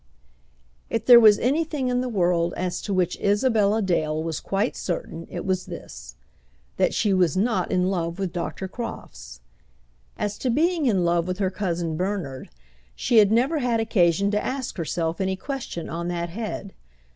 If there was anything in the world as to which Isabella Dale was quite certain, it was this that she was not in love with Dr. Crofts. As to being in love with her cousin Bernard, she had never had occasion to ask herself any question on that head.